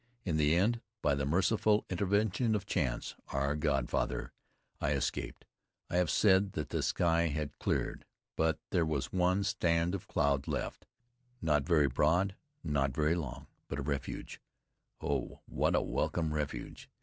In the end, by the merciful intervention of Chance, our godfather, I escaped. I have said that the sky had cleared. But there was one strand of cloud left, not very broad, not very long; but a refuge, oh! what a welcome refuge!